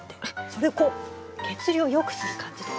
それをこう血流をよくする感じで。